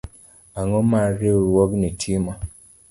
Ang'o ma Riwruogno timo